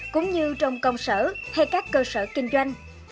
cũng như trong công sở hay các cơ sở kinh doanh